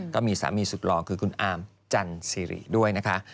ก็มีสามีศึกรองคือคุณอามจันทรีย์ด้วยนะคะ